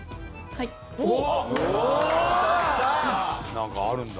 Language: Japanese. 何かあるんだ。